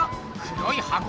黒い箱？